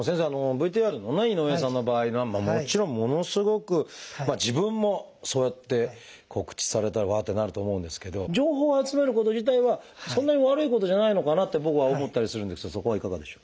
ＶＴＲのね井上さんの場合はもちろんものすごく自分もそうやって告知されたらうわってなると思うんですけど情報を集めること自体はそんなに悪いことじゃないのかなって僕は思ったりするんですがそこはいかがでしょう？